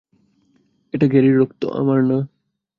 এটা গ্যারির রক্ত, আমার না।